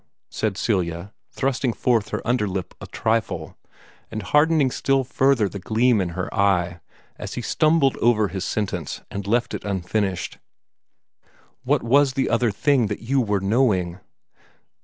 said Celia, thrusting forth her under lip a trifle, and hardening still further the gleam in her eye, as he stumbled over his sentence and left it unfinished. "What was the other thing that you were 'knowing'?"